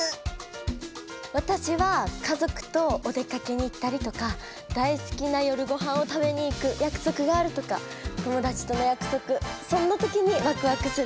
わたしはかぞくとお出かけに行ったりとか大すきな夜ごはんを食べに行くやくそくがあるとかともだちとのやくそくそんな時にワクワクするわ。